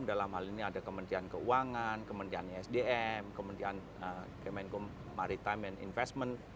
dalam hal ini ada kementerian keuangan kementerian esdm kementerian maritime and investment